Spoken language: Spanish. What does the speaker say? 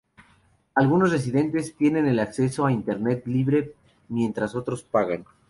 Algunos residentes tienen el acceso a Internet libre mientras otros pagan.